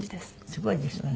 すごいですよね。